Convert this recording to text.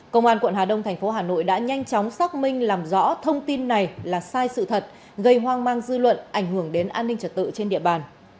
công an quận hà đông thành phố hà nội đã nhanh chóng xác minh làm rõ thông tin này là sai sự thật gây hoang mang dư luận ảnh hưởng đến an ninh trật tự trên địa bàn